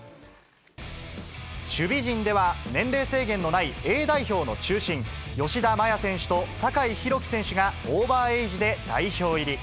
守備陣では、年齢制限のないＡ代表の中心、吉田麻也選手と酒井宏樹選手がオーバーエイジで代表入り。